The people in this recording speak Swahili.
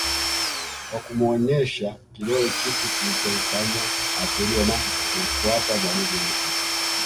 Kwa kumuoneshea kidole kitu kilichomfanya atulie na kumfuata mwalimu wake